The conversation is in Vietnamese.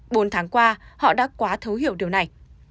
bốn tháng qua họ đã quá thấu hiểu điều này